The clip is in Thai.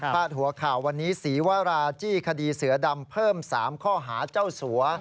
หัวข่าววันนี้ศรีวราจี้คดีเสือดำเพิ่ม๓ข้อหาเจ้าสัว